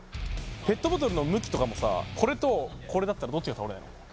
ペットボトルの向きとかもさこれとこれだったらどっちが倒れない？